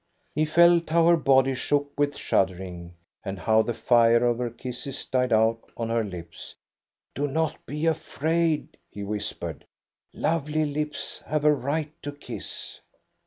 He felt how her body shook with shuddering, and how the fire of her kisses died out on her lips. " Do not be afraid," he whispered ;" lovely lips have a right to kiss."